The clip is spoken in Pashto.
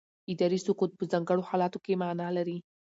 اداري سکوت په ځانګړو حالاتو کې معنا لري.